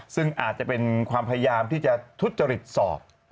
ซึ่งอาจจะเป็นความพยายามที่จะทุจริตสอบ